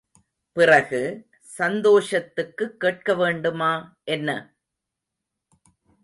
பிறகு, சந்தோஷத்துக்குக் கேட்க வேண்டுமா, என்ன?